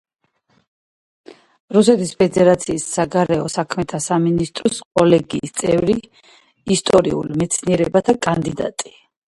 რუსეთის ფედერაციის საგარეო საქმეთა სამინისტროს კოლეგიის წევრი, ისტორიულ მეცნიერებათა კანდიდატი.